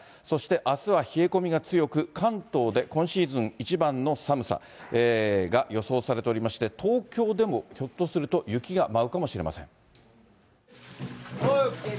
そしてあすは冷え込みが強く、関東で今シーズン一番の寒さが予想されておりまして、東京でもひょっとすると雪が舞うかもしれません。